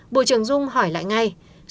bộ trưởng dung hỏi lại ngay